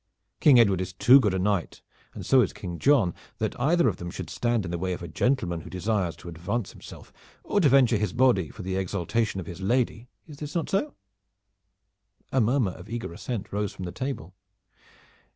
King Edward is too good a knight, and so is King John, that either of them should stand in the way of a gentleman who desires to advance himself or to venture his body for the exaltation of his lady. Is this not so?" A murmur of eager assent rose from the table.